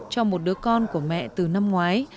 cho một đứa con của mẹ từ năm ngoái